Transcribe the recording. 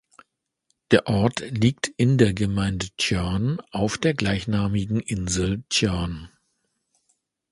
Der Ort liegt in der Gemeinde Tjörn auf der gleichnamigen Insel Tjörn.